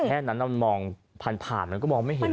แค่นั้นมันมองผ่านมันก็มองไม่เห็น